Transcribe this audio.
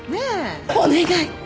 お願い！